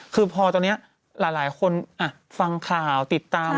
คือพอตอนนี้หลายคนฟังข่าวติดตาม